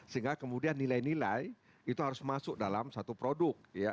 sehingga kemudian nilai nilai itu harus masuk dalam satu produk